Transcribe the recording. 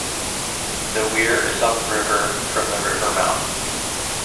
The weir is upriver from the river mouth.